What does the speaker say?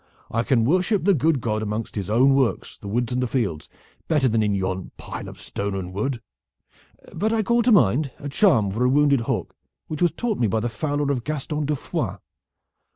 I can worship the good God amongst his own works, the woods and the fields, better than in yon pile of stone and wood. But I call to mind a charm for a wounded hawk which was taught me by the fowler of Gaston de Foix.